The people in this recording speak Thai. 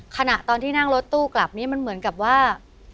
ขณะตอนที่นั่งรถตู้กลับนี้มันเหมือนกับว่า